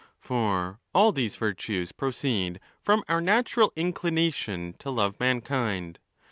For all these virtues proceed from our natural inclination to love mankind.